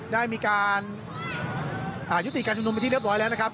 ได้มีการยุติการชุมนุมเป็นที่เรียบร้อยแล้วนะครับ